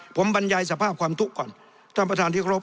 ผมบรรยายสภาพความทุกข์ก่อนท่านประธานที่ครบ